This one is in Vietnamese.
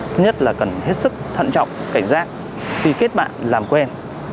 thứ nhất là cần hết sức thận trọng cảnh giác khi kết bạn làm quen